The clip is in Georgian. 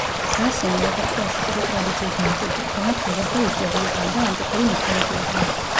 რასინი, როგორც კლასიკური ტრადიციის მემკვიდრე, თემებს იღებდა ისტორიიდან და ანტიკური მითოლოგიიდან.